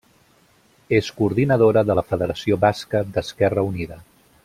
És coordinadora de la federació basca d'Esquerra Unida.